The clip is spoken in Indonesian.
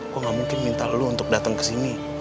gue gak mungkin minta lo untuk datang ke sini